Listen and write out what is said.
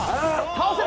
倒せ！